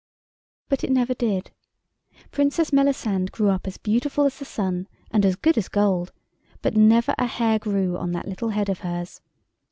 But it never did. Princess Melisande grew up as beautiful as the sun and as good as gold, but never a hair grew on that little head of hers.